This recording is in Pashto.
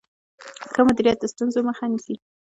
ښه مدیریت د ستونزو مخه نیسي.